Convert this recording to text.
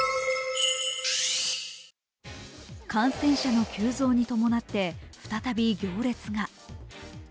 感染者の急増に伴って再び行列が。